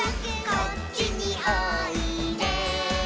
「こっちにおいで」